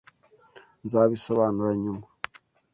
Nzabisobanura nyuma.